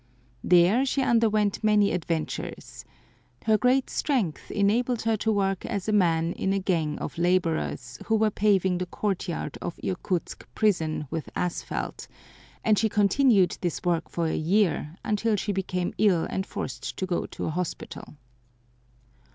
There she underwent many adventures. Her great strength enabled her to work as a man in a gang of laborers who were paving the courtyard of Irkutsk prison with asphalt, and she continued this work for a year, until she became ill and forced to go to a hospital.